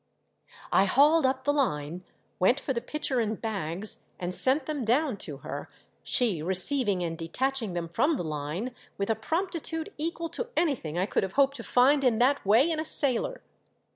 I hauled up the line, went for the pitcher and bags and sent them down to her, she receiving and detaching them from the line with a promptitude equal to anything I could have hoped to find in that way in a sailor.